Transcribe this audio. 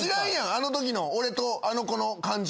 あのときの俺とあの子の感じ。